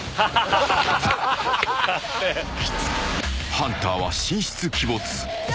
［ハンターは神出鬼没］